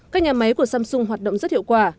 các nhà máy của samsung hoạt động rất hiệu quả